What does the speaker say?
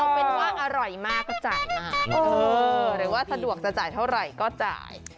เอาเป็นว่าอร่อยมากก็จ่ายมากหรือว่าสะดวกจะจ่ายเท่าไหร่ก็จ่าย